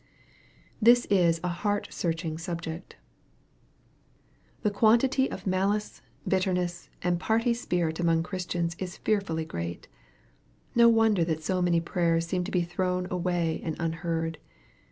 This is a heart searching subject. The quantity of malice, bitterness, and party spirit among Christians is fearfully great. No wonder that so many prayers seem to be thrown away and unheard.